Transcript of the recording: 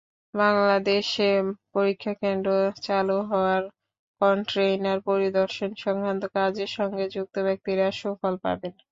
বাংলাদেশে পরীক্ষাকেন্দ্র চালু হওয়ায় কনটেইনার পরিদর্শন-সংক্রান্ত কাজের সঙ্গে যুক্ত ব্যক্তিরা সুফল পাবেন।